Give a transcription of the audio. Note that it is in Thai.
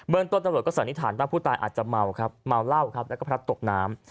ต้นตำรวจก็สันนิษฐานว่าผู้ตายอาจจะเมาครับเมาเหล้าครับแล้วก็พลัดตกน้ำ